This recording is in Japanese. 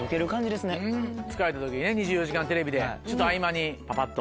疲れた時ね『２４時間テレビ』でちょっと合間にパパっと。